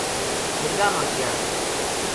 جِرگا ما گیا۔